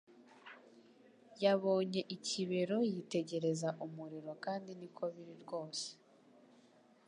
Yabonye ikibero yitegereza umuriro kandi niko biri rwose